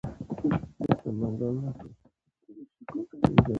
وسپاسیان مخترع کس ونه واژه، خو نوښت یې رد کړ